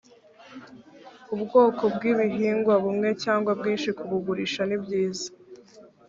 ubwoko bw igihingwa bumwe cyangwa bwinshi kubugurisha nibyiza